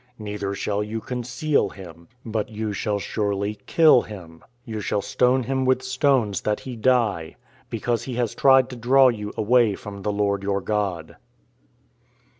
Neither shall you conceal him : But you shall surely kill him ... You shall stone him with stones that he die; Because he has tried to draw you Away from the Lord your God."